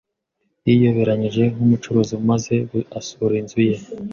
Yiyoberanyije nk'umucuruzi maze asura inzu ye.